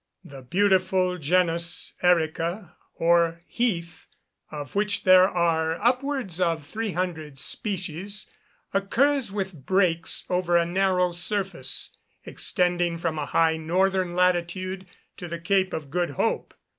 The beautiful genus Erica, or heath, of which there are upwards of 300 species, occurs with breaks over a narrow surface, extending from a high northern latitude to the Cape of Good Hope.